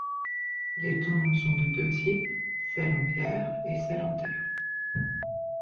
Les tombes sont de deux types : celles en pierre et celles en terre.